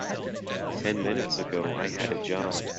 Ten minutes ago I had a job.